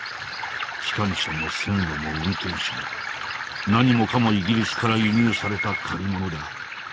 機関車も線路も運転手も何もかもイギリスから輸入された借り物だ。